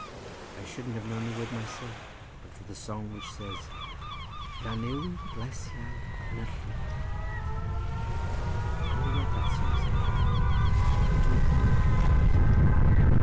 I shouldn't have known the word myself, but for the song which says: "'Glân yw'r gleisiad yn y llyn.'" "And who wrote that song?" said I. "I don't know," said the woman.